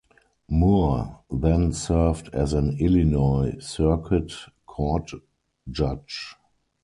Moore then served as an Illinois Circuit Court judge.